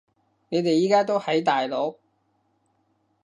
你哋而家都喺大陸？